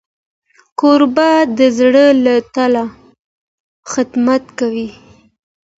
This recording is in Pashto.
کوربه د زړه له تله خدمت کوي.